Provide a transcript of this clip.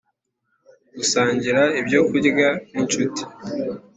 Gusangira ibyo kurya n inshuti